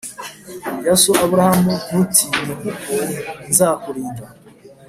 ya so Aburahamu Ntutinye kuko nzakurinda